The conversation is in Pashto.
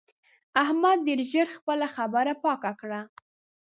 احمد ډېر ژر خپله خبره پاکه کړه.